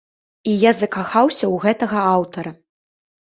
І я закахаўся ў гэтага аўтара.